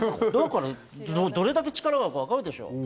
どれだけ力があるかわかるでしょ？